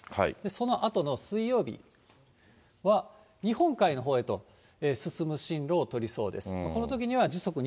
そのあとの水曜日は日本海のほうへと進む進路を取りそうです。